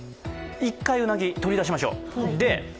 １回うなぎ、取り出しましょう。